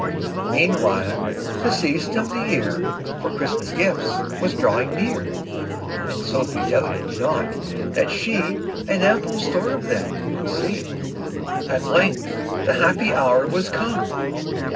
Meantime the season of the year For Christmas gifts was drawing near, And Sophie doubted not that she An ample store of them would see. At length the happy hour was come.